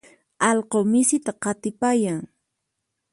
Allqu misita qatipayan.